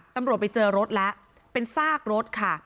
ตำรวจไปเจอรถแล้วเป็นซากรถค่ะ